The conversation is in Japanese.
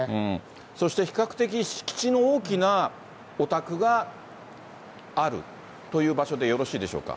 そして、比較的、敷地の大きなお宅があるという場所でよろしいでしょうか。